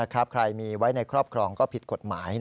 ใครมีไว้ในครอบครองก็ผิดกฎหมาย